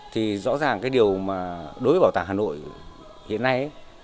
thì rõ ràng cái điều mà đối với bảo tàng hà nội hiện nay